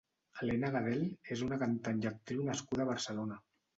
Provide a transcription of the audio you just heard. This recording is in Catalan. Elena Gadel és una cantant i actriu nascuda a Barcelona.